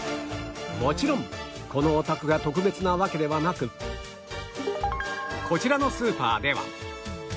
もちろんこのお宅が特別なわけではなくこちらのスーパーでは